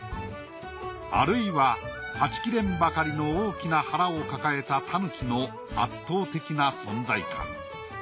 あるいははちきれんばかりの大きな腹を抱えた狸の圧倒的な存在感。